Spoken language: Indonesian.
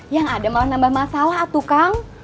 yang ada malah nambah masalah tuh kang